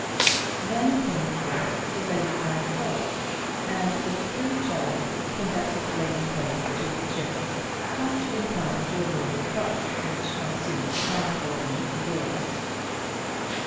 Then came forth the Lady Glencora, and with true charity conducted the lady president to her chair, just in time to avoid the crush, which ensued upon the opening of the doors.